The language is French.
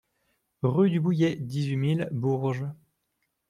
Rue du Bouillet, dix-huit mille Bourges